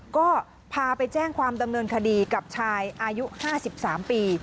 ก็พาไปแจ้งความดำเนินคดีกับชายอายุ๕๓ปี